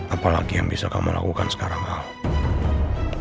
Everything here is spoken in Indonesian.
apalagi yang bisa kamu lakukan sekarang